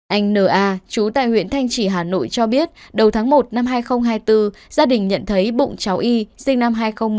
anh n a chú tại huyện thanh trì hà nội cho biết đầu tháng một năm hai nghìn hai mươi bốn gia đình nhận thấy bụng cháu y sinh năm hai nghìn một mươi hai